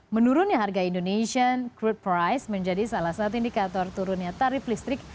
menurunnya harga indonesian crude price menjadi salah satu indikator turunnya tarif listrik